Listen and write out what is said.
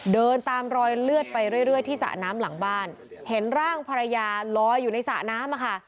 เดินตามรอยเลือดไปเรื่อยที่สระน้ำหลังบ้านเห็นร่างภรรยาลอยอยู่ในสระน้ำอะค่ะ